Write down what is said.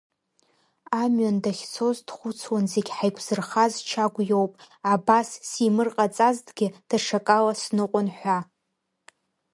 Амҩан дахьцоз дхәыцуан зегь ҳаиқәзырхаз Чагә иоуп, абас симырҟаҵазҭгьы даҽакала сныҟәон ҳәа.